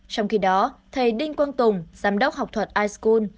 trong khi đó thầy đinh quang tùng giám đốc học thuật ischool